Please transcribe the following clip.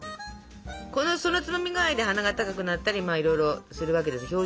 そのつまみ具合で鼻が高くなったりいろいろするわけです。